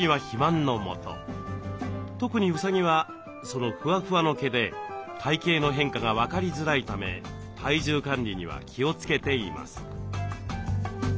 特にうさぎはそのふわふわの毛で体形の変化が分かりづらいため体重管理には気をつけています。